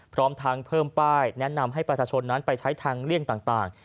พร้อมทั้งเพิ่มป้ายแนะนำให้ประชาชนนั้นไปใช้ทางเลี่ยงต่าง